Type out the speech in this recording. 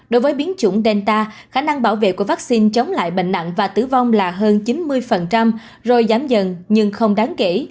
đối với biến chủng delta khả năng bảo vệ của vaccine chống lại bệnh nặng và tử vong là hơn chín mươi rồi giảm dần nhưng không đáng kể